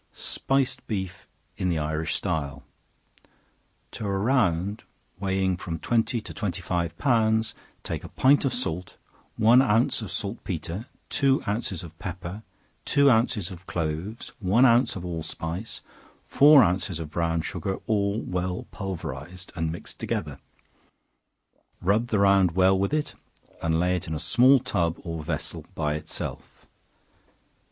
Spiced Beef in the Irish Style. To a round weighing from twenty to twenty five pounds, take a pint of salt, one ounce of saltpetre, two ounces of pepper, two ounces of cloves, one ounce of allspice, four ounces of brown sugar, all well pulverized, and mixed together; rub the round well with it, and lay it in a small tub or vessel by itself.